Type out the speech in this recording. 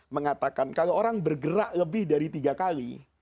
mengatakan kalau orang bergerak lebih dari tiga kali